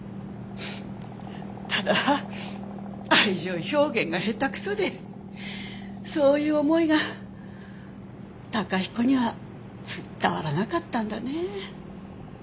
ただ愛情表現が下手くそでそういう思いが崇彦には伝わらなかったんだね。